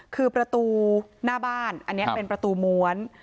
คือประตูหน้าบ้านอันนี้เป็นประตูม้วน